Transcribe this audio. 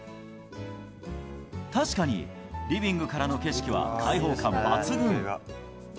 確かにリビングからの景色は開放感抜群。